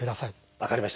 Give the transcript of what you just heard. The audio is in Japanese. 分かりました。